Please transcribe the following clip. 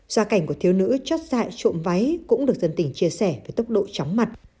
gia cảnh của thiếu nữ chót dại trộm váy cũng được dân tỉnh chia sẻ với tốc độ chóng mặt